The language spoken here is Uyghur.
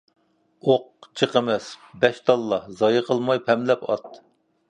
ئوق جىق ئەمەس، بەش تاللا . زايە قىلماي پەملەپ ئات .